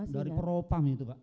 dari propam itu pak